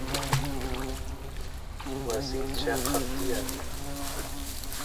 wasiy cheqap tiyan